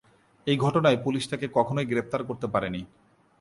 এই ঘটনায় পুলিশ তাকে কখনোই গ্রেপ্তার করতে পারেনি।